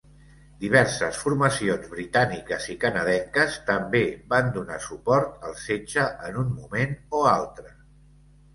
Diverses formacions britàniques i canadenques també van donar suport al setge en un moment o altre.